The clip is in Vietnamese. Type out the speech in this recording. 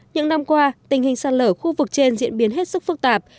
những năm qua tình hình sạt lở khu vực trên diễn biến hết sức phức tạp